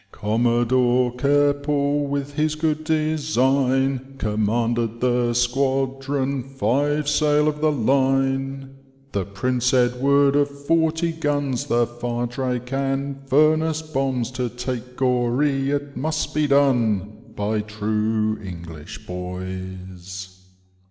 Commodore Keppel with his good design. Commanded the squadron, five sail of the line. The Prince Edtoard of forty guns. The Firedrake and Furnace bombs. To take Goree, it must be done, By true English boys.